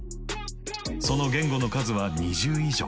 その言語の数は２０以上。